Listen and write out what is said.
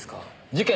事件